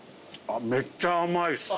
めっちゃ甘いっす。